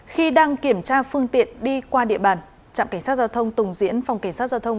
khi đang kiểm tra phương tiện đi qua địa bàn trạm cảnh sát giao thông tùng diễn phòng cảnh sát giao thông